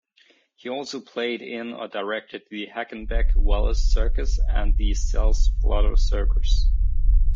He also played in or directed the Hagenbeck-Wallace Circus and the Sells-Floto Circus.